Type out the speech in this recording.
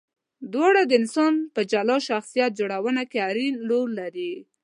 دواړه د انسان په جلا شخصیت جوړونه کې اړین رول لري.